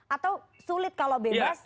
atau sulit kalau bebas